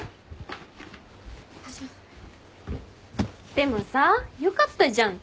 でもさよかったじゃん。